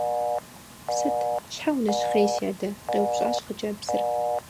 - Сыт, щхьэ унэщхъей, си адэ? - къеупщӀащ хъыджэбзыр.